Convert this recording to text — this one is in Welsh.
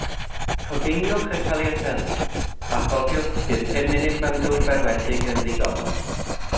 Coginiwch y tagliatelle, a chofiwch, bydd pum munud mewn dŵr berwedig yn ddigonol.